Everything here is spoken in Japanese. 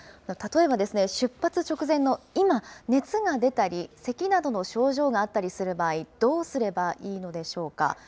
例えば、出発直前の今、熱が出たり、せきなどの症状があったりする場合、どうすればいいのでしょうか。